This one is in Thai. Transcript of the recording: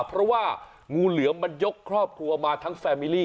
เพราะว่างูเหลือมมันยกครอบครัวมาทั้งแฟมิลี่